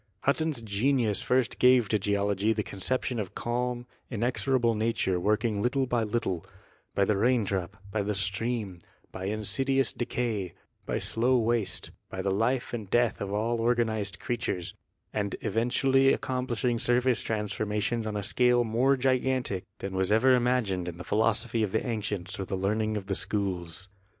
Hutton's genius first gave to geology the conception of calm, inexorable nature working little by little — by the rain drop, by the stream, by insidious decay, by slow waste, by the life and death of all organized creatures — and even tually accomplishing surface transformations on a scale more gigantic than was ever imagined in the philosophy of the ancients or the learning of the schools.